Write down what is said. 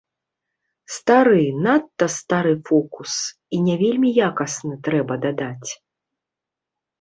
Стары, надта стары фокус, і не вельмі якасны, трэба дадаць.